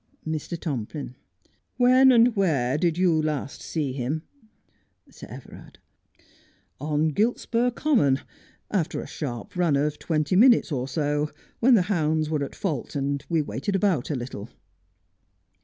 Mr. Tomplin : When and where did you last see him ? Sir Everard : On G iltspur Common, after a sharp run of twenty minutes or so, when the hounds were at fault, and we waited about a little.